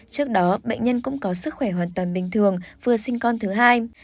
trước đó bệnh nhân cũng có sức khỏe hoàn toàn bình thường vừa sinh con thứ hai